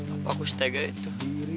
apa aku setega itu